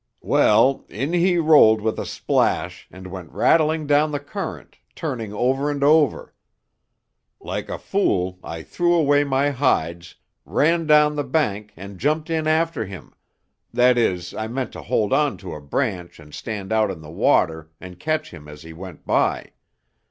"Well, in he rolled with a splash and went rattling down the current, turning over and over. Like a fool, I threw away my hides, ran down the bank and jumped in after him that is, I meant to hold on to a branch and stand out in the water and catch him as he went by.